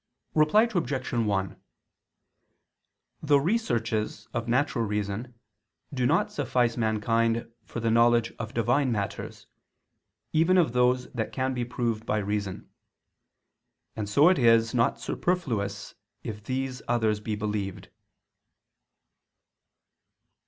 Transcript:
Reply Obj. 1: The researches of natural reason do not suffice mankind for the knowledge of Divine matters, even of those that can be proved by reason: and so it is not superfluous if these others be believed.